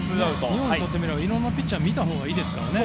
日本にとってみればいろんなピッチャーを見たほうがいいですからね。